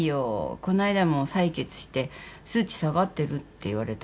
この間も採血して数値下がってるって言われた。